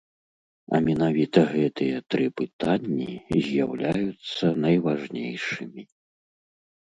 А менавіта гэтыя тры пытанні з'яўляюцца найважнейшымі.